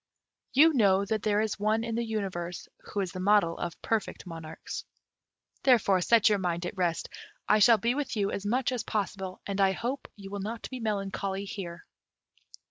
You know that there is one in the universe who is the model of perfect monarchs. Therefore set your mind at rest; I shall be with you as much as possible, and I hope you will not be melancholy here."